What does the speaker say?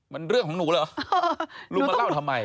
มันเรื่องของหนูเหรอลุงมาเล่าทำไม